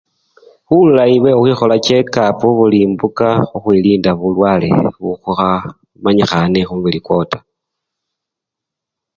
Bulayi bwehuhwihola chekapu bulimbuka huhwilinda bulwale buhamanyihane humubili kwoo ta.